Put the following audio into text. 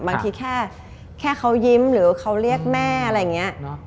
บางทีแค่เขายิ้มหรือเขาเรียกแม่อะไรอย่างนี้